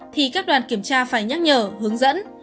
thì các đoàn kiểm tra phải nhắc nhở hướng dẫn